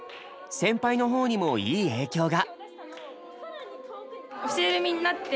先輩の方にもいい影響が。